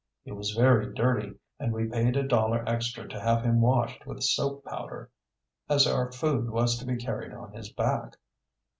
He was very dirty, and we paid a dollar extra to have him washed with soap powder, as our food was to be carried on his back.